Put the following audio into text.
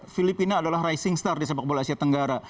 filipina adalah rising star di sepakbola asia tenggara